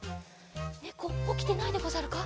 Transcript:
ねこおきてないでござるか？